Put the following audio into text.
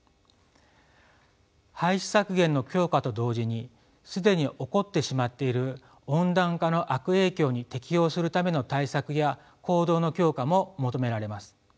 排出削減の強化と同時に既に起こってしまっている温暖化の悪影響に適応するための対策や行動の強化も求められます。